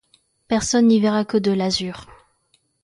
Personne n'y verra que de l'azur.